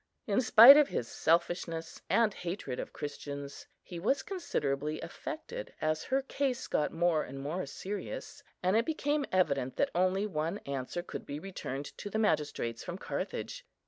In spite of his selfishness and hatred of Christians, he was considerably affected as her case got more and more serious, and it became evident that only one answer could be returned to the magistrates from Carthage.